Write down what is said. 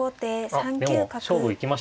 あっでも勝負行きました。